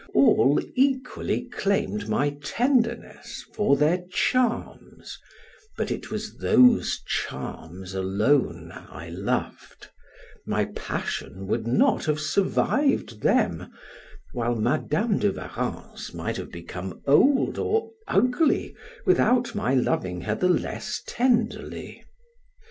All equally claimed my tenderness for their charms, but it was those charms alone I loved, my passion would not have survived them, while Madam de Warrens might have become old or ugly without my loving her the less tenderly.